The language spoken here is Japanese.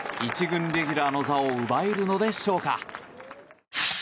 １軍レギュラーの座を奪えるのでしょうか。